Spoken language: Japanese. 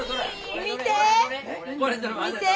見て！